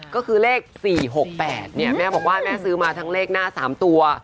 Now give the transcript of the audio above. ก็คือเลข๔๖๘แม่บอกว่าแม่ซื้อมาทั้งเลขหน้า๓ตัว